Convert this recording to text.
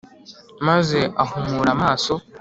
maze ahumura amaso.